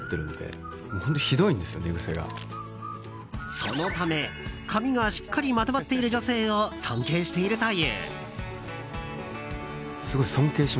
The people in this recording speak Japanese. そのため、髪がしっかりまとまっている女性を尊敬しているという。